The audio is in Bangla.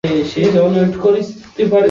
বের করো ওদের রেকর্ড রুম থেকে।